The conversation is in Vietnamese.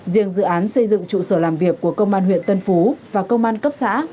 riêng dự án xây dựng trụ sở làm việc của công an huyện tân phú và công an cấp xã